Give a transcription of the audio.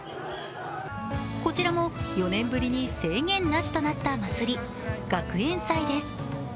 こちらも４年ぶりに制限なしとなった祭り、学園祭です。